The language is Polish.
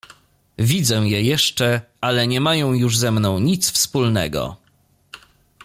Widzę je jeszcze, ale nie mają już ze mną nic wspólnego.